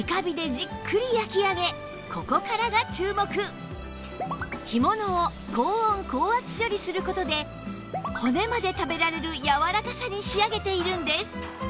そして干物を高温高圧処理する事で骨まで食べられるやわらかさに仕上げているんです